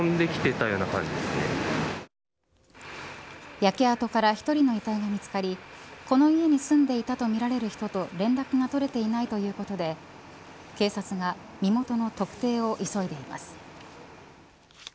焼け跡から１人の遺体が見つかりこの家に住んでいたとみられる人と連絡が取れていないということで警察が身元の特定を急いでいます。